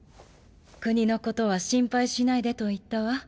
国のことは心配しないでと言ったわ。